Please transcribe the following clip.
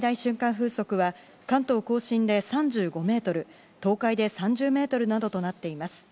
風速は関東甲信で３５メートル、東海で３０ｍなどとなっています。